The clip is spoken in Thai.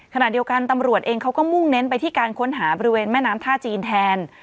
ขณะเดียวกันตำรวจเองเขาก็มุ่งเน้นไปที่การค้นหาบริเวณแม่น้ำท่าจีนแทน